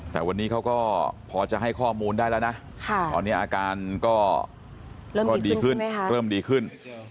แต่วันนี้เขาก็พอจะให้ข้อมูลได้แล้วนะตอนนี้อาการก็ดีขึ้นเริ่มดีขึ้น